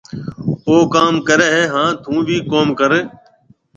او ڪوم ڪرهيَ هانَ ٿُون بي ڪوم ڪري۔